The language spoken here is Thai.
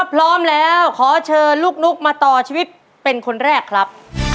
พร้อมแล้วขอเชิญลูกนุ๊กมาต่อชีวิตเป็นคนแรกครับ